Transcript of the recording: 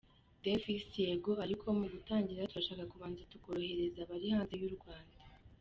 Davis: Yego; ariko mugutangira turashaka kubanza tukorohereza abari hanze y'u Rwanda.